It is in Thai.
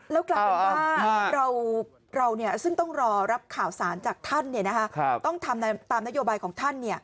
แล้วกลายเป็นว่าเราซึ่งต้องรอรับข่าวสารจากท่านต้องทำตามนโยบายของท่าน